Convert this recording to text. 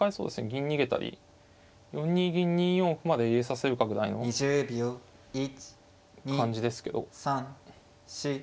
銀逃げたり４二銀２四歩まで入れさせるかぐらいの感じですけど。